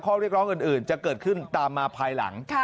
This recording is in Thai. ข้อเรียกร้องอื่นจะเกิดขึ้นตามมาภายหลัง